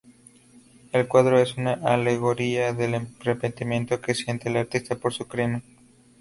El cuadro es una alegoría del arrepentimiento que siente el artista por su crimen.